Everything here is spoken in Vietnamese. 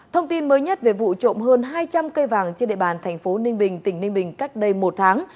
thông tin mới nhất về vụ trộm hơn hai trăm linh cây vàng trên địa bàn thành phố ninh bình tỉnh ninh bình cách đây một tháng